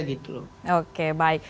gitu loh oke baik